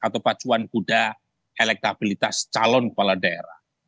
atau pacuan kuda elektabilitas calon kepala daerah